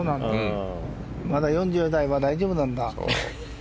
まだ４０代は大丈夫なんだ。